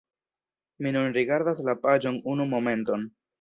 Mi nun rigardas la paĝon unu momenton